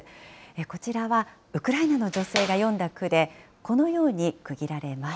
こちらはウクライナの女性が詠んだ句で、このように区切られます。